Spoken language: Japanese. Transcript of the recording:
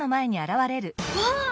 わあ！